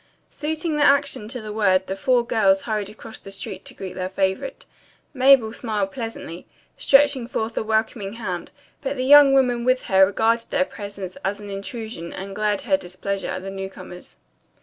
Suiting the action to the word the four girls hurried across the street to greet their favorite. Mabel smiled pleasantly, stretching forth a welcoming hand, but the young woman with her regarded their presence as an intrusion and glared her displeasure at the newcomers.